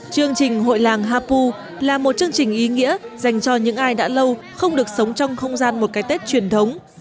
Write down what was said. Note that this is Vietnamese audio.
chương trình hội làng hapu là một chương trình ý nghĩa dành cho những ai đã lâu không được sống trong không gian một cái tết truyền thống